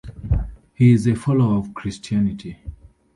He is a follower of Christianity.